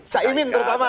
caimin terutama ya